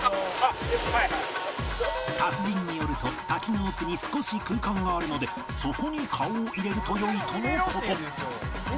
達人によると滝の奥に少し空間があるのでそこに顔を入れると良いとの事